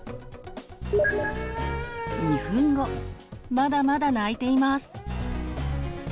まだまだ泣いています。